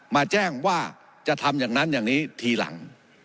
มาแจ้งว่าจะทำอย่างนั้นอย่างนี้ทีหลัง